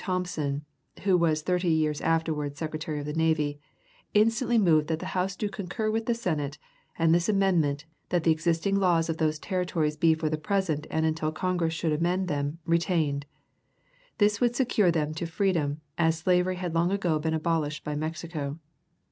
Thompson (who was thirty years afterwards Secretary of the Navy) instantly moved that the House do concur with the Senate, with this amendment, that the existing laws of those territories be for the present and until Congress should amend them, retained. This would secure them to freedom, as slavery had long ago been abolished by Mexico.